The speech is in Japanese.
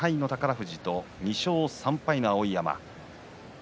富士と２勝３敗の碧山。